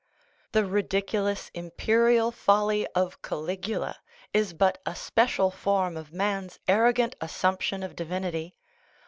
The ridiculous imperial folly of Caligula is but a special form of man's arrogant assumption of divin ity.